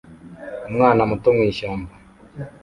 Umwana muto mwishyamba